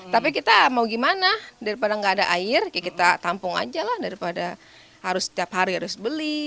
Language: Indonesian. tapi kita mau gimana daripada nggak ada air kita tampung aja lah daripada harus setiap hari harus beli